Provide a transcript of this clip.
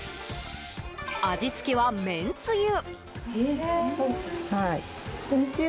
味付けは、めんつゆ。